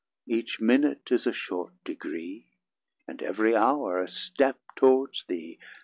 Each minute is a short degree, And ev'ry hour a step towards thee.